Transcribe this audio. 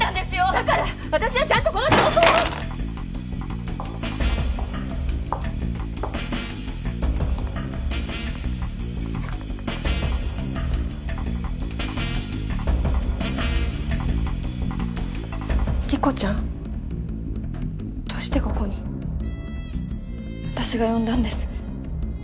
だから私はちゃんとこの証拠を。理子ちゃんどうしてここに？私が呼んだんです。